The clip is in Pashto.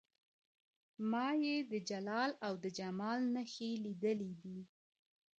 ما یې د جلال او د جمال نښي لیدلي دي,